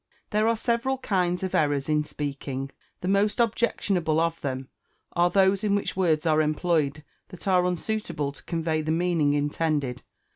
There are several kinds of errors in speaking. The most objectionable of them are those in which words are employed that are unsuitable to convey the meaning intended.